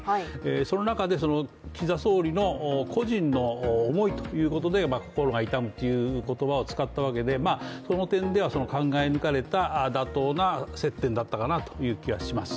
その中で岸田総理の個人の思いということで心が痛むという言葉を使ったわけで、その点では考え抜かれた、妥当な接点だったかなという気はします。